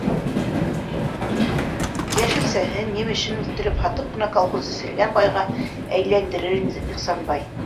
Йәшелсәһен, емешен үҫтереп һатып ҡына колхозды серегән байға әйләндерер ине Ихсанбай.